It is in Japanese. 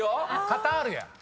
「カタール」や。